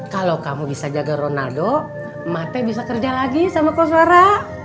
kalau kamu bisa jaga ronaldo mate bisa kerja lagi sama konsora